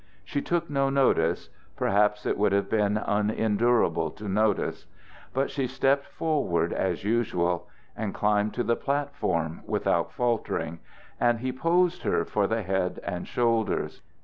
She took no notice, perhaps it would have been unendurable to notice, but she stepped forward as usual, and climbed to the platform without faltering, and he posed her for the head and shoulders.